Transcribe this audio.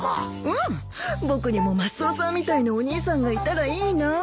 うん僕にもマスオさんみたいなお兄さんがいたらいいなあ。